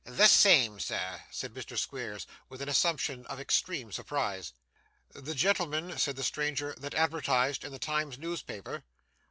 'The same, sir,' said Mr. Squeers, with an assumption of extreme surprise. 'The gentleman,' said the stranger, 'that advertised in the Times newspaper?